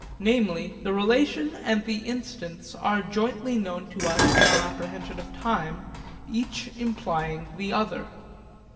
Namely, the relation and the instants are jointly known to us in our apprehension of time, each implying the other.